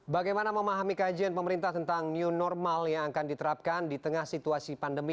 bagaimana memahami kajian pemerintah tentang new normal yang akan diterapkan di tengah situasi pandemi